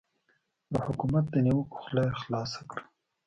پر حکومت د نیوکو خوله یې خلاصه کړه.